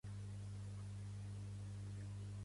La seu dels seus comtes era a Benabarre.